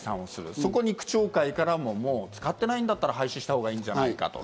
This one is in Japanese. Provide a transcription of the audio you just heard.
そこに区長会から、もう使ってないなら廃止したほうがいいんじゃないかと。